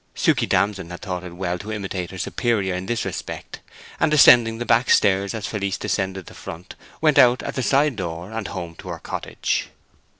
Suke Damson had thought it well to imitate her superior in this respect, and, descending the back stairs as Felice descended the front, went out at the side door and home to her cottage.